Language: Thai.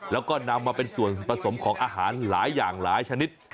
แล้วก็นำมาเป็นส่วนผสมของอาหารหลายอย่างหลายชนิด